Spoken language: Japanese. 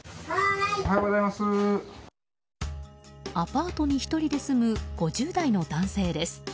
アパートに１人で住む５０代の男性です。